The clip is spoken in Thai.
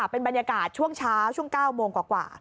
เป็นบรรยากาศช่วงเช้าช่วง๙โมงกว่า